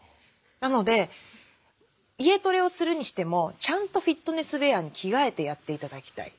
なので家トレをするにしてもちゃんとフィットネスウェアに着替えてやって頂きたい。